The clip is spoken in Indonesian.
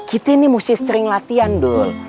kita ini mesti sering latihan dulu